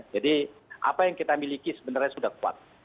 jadi apa yang kita miliki sebenarnya sudah kuat